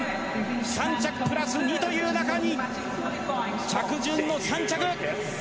３着プラス２という中に着順の３着。